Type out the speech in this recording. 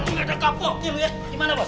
ini ada kapok gitu ya gimana bos